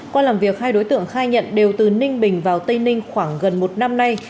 qua làm việc hai đối tượng khai nhận đều từ ninh bình vào tây ninh khoảng gần một năm nay